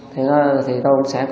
thì tôi sẽ